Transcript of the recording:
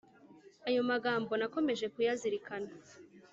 Ayo magambo nakomeje kuyazirikana